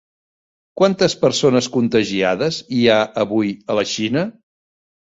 Quantes persones contagiades hi ha avui a la Xina?